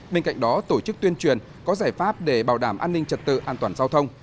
bên cạnh đó tổ chức tuyên truyền có giải pháp để bảo đảm an ninh trật tự an toàn giao thông